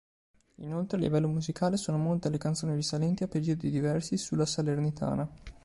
Inoltre, a livello musicale sono molte le canzoni risalenti a periodi diversi sulla Salernitana.